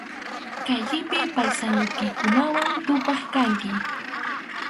Kallipi paysanuykikunawan tupaq kanki.